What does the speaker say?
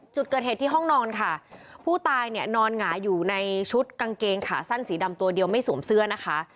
จุดเกิดเหตุที่ห้องนอนค่ะผู้ตายเนี่ยนอนหงายอยู่ในชุดกางเกงขาสั้นสีดำตัวเดียวไม่สวมเสื้อนะคะ